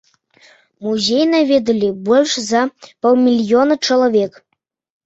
Музей наведалі больш за паўмільёна чалавек.